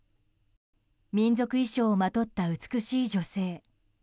民族衣装をまとった美しい女性。